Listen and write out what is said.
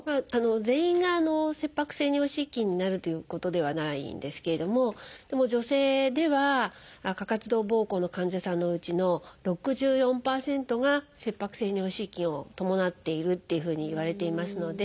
全員が切迫性尿失禁になるということではないんですけれどもでも女性では過活動ぼうこうの患者さんのうちの６４％が切迫性尿失禁を伴っているっていうふうにいわれていますので。